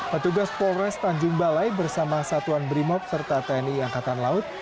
petugas polres tanjung balai bersama satuan brimob serta tni angkatan laut